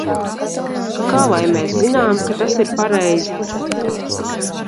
Kā lai mēs zinām, ka tas ir pareizi?